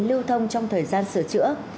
lưu thông trong thời gian sửa chữa